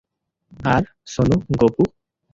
আর, Sonu Gopu?